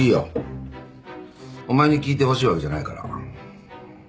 お前に聞いてほしいわけじゃないから。